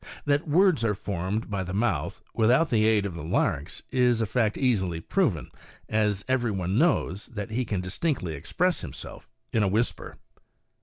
That words are formed by the mouth, without the aid of the larynx, is a fact easily proven, as every one knows that he can distinctly express himself in a whisper.